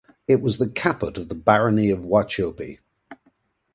It was the caput of the Barony of Wauchope.